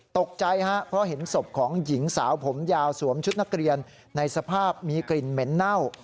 ตกใจฮะเพราะเห็นศพของหญิงสาวผมยาวสวมชุดนักเรียนในสภาพมีกลิ่นเหม็นเน่า